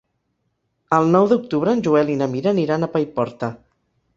El nou d'octubre en Joel i na Mira aniran a Paiporta.